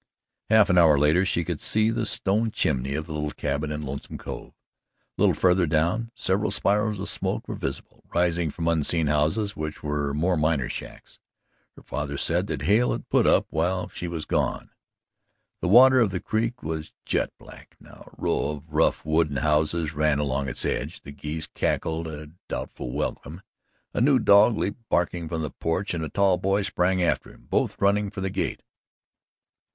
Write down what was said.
Half an hour later, she could see the stone chimney of the little cabin in Lonesome Cove. A little farther down several spirals of smoke were visible rising from unseen houses which were more miners' shacks, her father said, that Hale had put up while she was gone. The water of the creek was jet black now. A row of rough wooden houses ran along its edge. The geese cackled a doubtful welcome. A new dog leaped barking from the porch and a tall boy sprang after him both running for the gate.